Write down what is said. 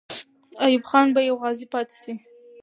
ایوب خان به یو غازی پاتې سي.